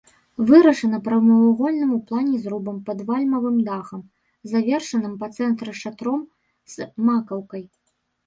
Вырашана прамавугольным у плане зрубам пад вальмавым дахам, завершаным па цэнтры шатром з макаўкай.